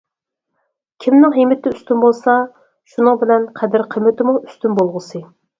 كىمنىڭ ھىممىتى ئۈستۈن بولسا، شۇنىڭ بىلەن قەدىر-قىممىتىمۇ ئۈستۈن بولغۇسى.